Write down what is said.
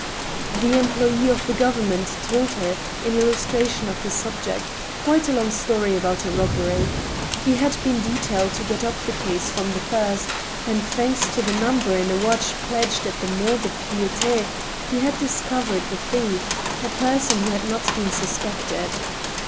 The "employ^ of the government " told her, in illustration of his subject, quite a long story about a robbery. He had been detailed to get up the case from the first, and, thanks to the number in a watch pledged at the MonUde^Piiti, he had discovered the thief, a person who had not even been suspected.